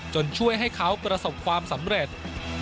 ช่วยให้เขาประสบความสำเร็จ